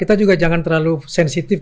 kita juga jangan terlalu sensitif